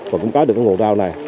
và cũng có được nguồn rau này